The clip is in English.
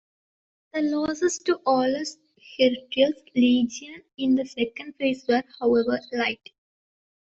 The losses to Aulus Hirtius' legion in the second phase were, however, light.